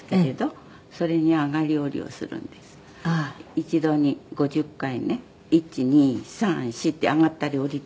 一度に５０回ね１２３４って上がったり下りたり。